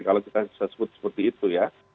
kalau kita bisa sebut seperti itu ya